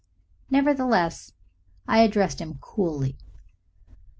Nevertheless, I addressed him coldly.